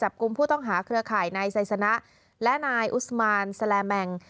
จับกลุ่มผู้ต้องการคลือข่ายนายไซสะนะนายอุสมาลแสลแมง